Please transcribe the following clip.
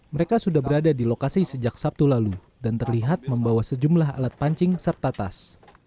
mereka sudah berada di lokasi sejak sabtu lalu dan terlihat membawa sejumlah alat pancing serta tas